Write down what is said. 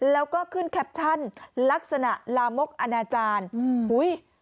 แล้วก็ขึ้นแคปชั่นลักษณะลามกอนาจารย์อืมอุ้ย